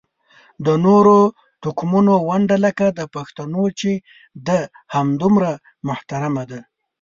د نورو توکمونو ونډه لکه د پښتنو چې ده همدومره محترمه ده.